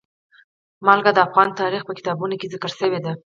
نمک د افغان تاریخ په کتابونو کې ذکر شوی دي.